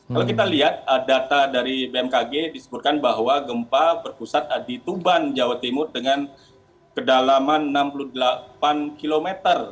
kalau kita lihat data dari bmkg disebutkan bahwa gempa berpusat di tuban jawa timur dengan kedalaman enam puluh delapan km